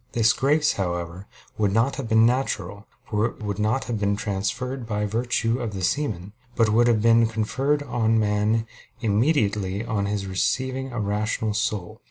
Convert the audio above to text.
This grace, however, would not have been natural, for it would not have been transfused by virtue of the semen; but would have been conferred on man immediately on his receiving a rational soul.